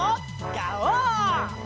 ガオー！